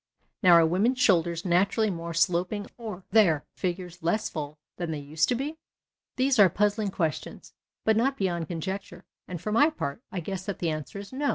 Now are women's shoulders naturally more sloping or their figures less full than they used to be ? These are puzzling questions, but not beyond conjecture, and, for my part, I guess that the answer is No.